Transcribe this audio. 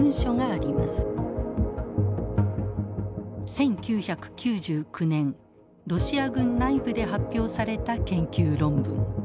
１９９９年ロシア軍内部で発表された研究論文。